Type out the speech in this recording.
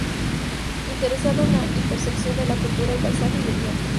Interesado en la intersección de la cultura, el paisaje y el tiempo.